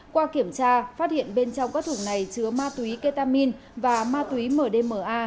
qua kiểm tra phát hiện bên trong các thùng này chứa ma túy ketamin và ma túy mdma